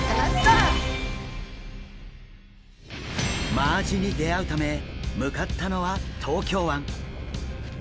マアジに出会うため向かったのは東京湾。